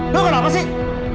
lu kenapa sih